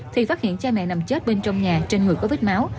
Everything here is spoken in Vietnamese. thì phát hiện cha mẹ nằm chết bên trong nhà trên người có vết máu